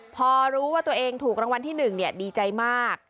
พอรู้ว่าตัวเองถูกรางวัลที่๑ดีใจมาก